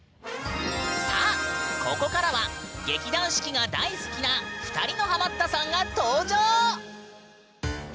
さあここからは劇団四季が大好きな２人のハマったさんが登場！